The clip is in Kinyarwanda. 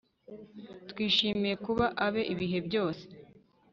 twishimiye kuba abe ibihe byose